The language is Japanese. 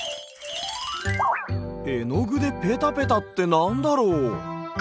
えのぐでペタペタってなんだろう？